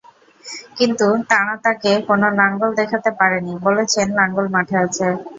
কিন্তু তাঁরা তাঁকে কোনো লাঙল দেখাতে পারেননি, বলেছেন লাঙল মাঠে আছে।